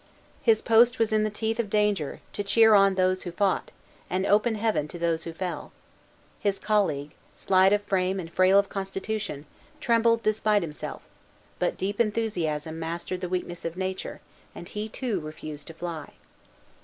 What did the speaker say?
His post was in the teeth of danger, to cheer on those who fought, and open Heaven to those who fell. His colleague, slight of frame and frail of constitution, trembled despite himself; but deep enthusiasm mastered the weakness of Nature, and he, too, refused to fly.